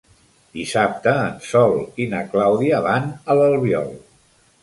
Dissabte en Sol i na Clàudia van a l'Albiol.